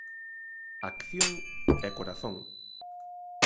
Acción e corazón.